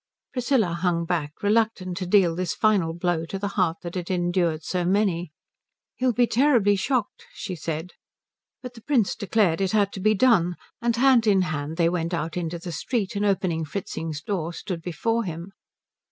Priscilla hung back, reluctant to deal this final blow to the heart that had endured so many. "He'll be terribly shocked," she said. But the Prince declared it had to be done; and hand in hand they went out into the street, and opening Fritzing's door stood before him.